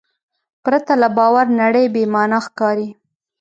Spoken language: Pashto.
پرته له باور نړۍ بېمانا ښکاري.